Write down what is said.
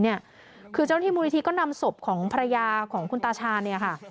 คือเจ้าหน้าที่มูลนิธิก็นำศพของภรรยาของคุณตาชาเนี่ยค่ะ